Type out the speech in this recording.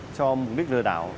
cho mục đích lừa đảo